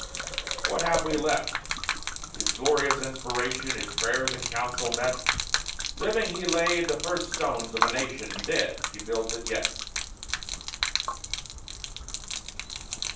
What have we left? His glorious inspiration, His prayers in council met. Living, he laid the first stones of a nation; And dead, he builds it yet.